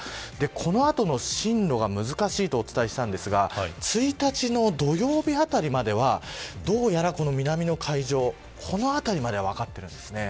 この後の進路が難しいとお伝えしましたが１日の土曜日あたりまではどうやら南の海上このあたりまで分かっているんです。